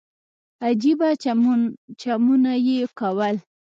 عجيبه چمونه يې کول.